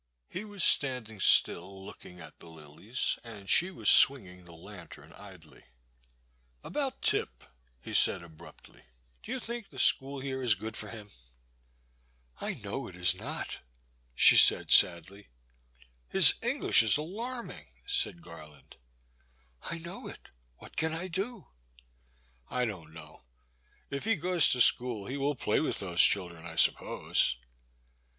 He was standing still, looking at the lilies, and she was swinging the lantern idly. About Tip, *' he said abruptly, do you think the school here is good for him ?'I know it is not, she said sadly. " His English is alarming, said Garland. I know it — what can I do ?*'I don't know; if he goes to school he will play with those children, I suppose.